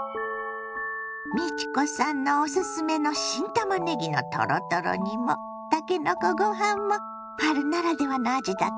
美智子さんのおすすめの新たまねぎのトロトロ煮もたけのこご飯も春ならではの味だったわねぇ。